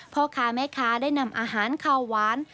พ่อค้าแม่ค้าได้นำอาหารขาวหวาน